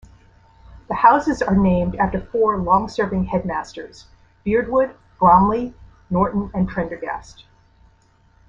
The Houses are named after four long serving Headmasters; Beardwood, Bramley, Norton and Prendergast.